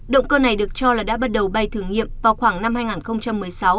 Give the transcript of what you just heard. động cơ này được cho là đã bắt đầu bay thử nghiệm vào khoảng năm hai nghìn một mươi sáu